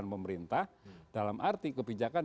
pemerintah dalam arti kebijakan